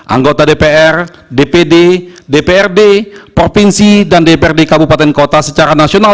anggota dpr dpd dprd provinsi dan dprd kabupaten kota secara nasional